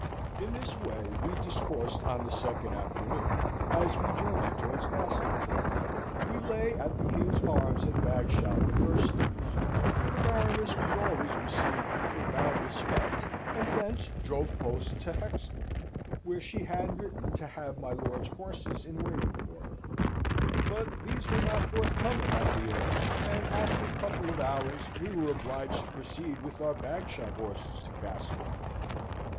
In this way we discoursed on the second afternoon as we journeyed towards Castlewood. We lay at the King's Arms at Bagshot the first night, where the Baroness was always received with profound respect, and thence drove post to Hexton, where she had written to have my lord's horses in waiting for her; but these were not forthcoming at the inn, and after a couple of hours we were obliged to proceed with our Bagshot horses to Castlewood.